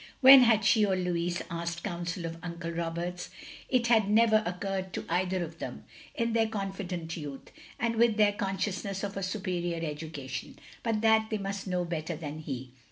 When had she or Louis asked counsel of Uncle Roberts? It had never occurred to either of them, in their confident youth, and with their consciousness of a superior education, but that they must know better than he.